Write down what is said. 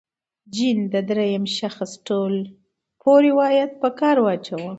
جین د درېیم شخص ټولپوه روایت په کار واچاوه.